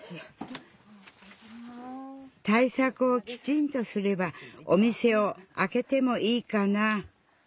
対策をきちんとすればお店をあけてもいいかな。